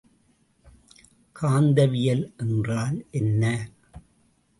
காந்தவியல் என்றால் என்ன?